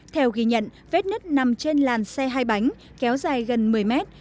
theo ghi nhận vết nứt nằm trên làn xe hai bánh kéo dài gần một mươi mét